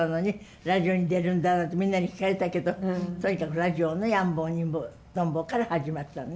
ラジオに出るんだなんてみんなに聞かれたけどとにかくラジオの「やん坊にん坊とん坊」から始まったのね